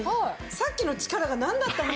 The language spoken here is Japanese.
さっきの力がなんだったの？